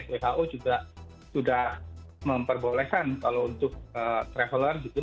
who juga sudah memperbolehkan kalau untuk traveler gitu